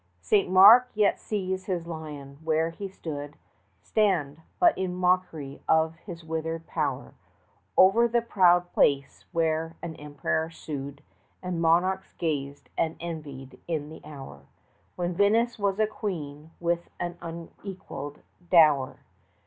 40 St. Mark yet sees his lion where he stood Stand, but in mockery of his withered power, Over the proud Place where an Emperor sued, And monarchs gazed and envied in the hour When Venice was a queen with an unequalled dower.